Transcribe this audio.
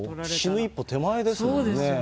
死ぬ一歩手前ですもんね。